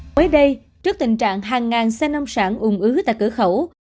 cuối đây trước tình trạng hàng ngàn xe nông sản ủng ứ tại cửa khẩu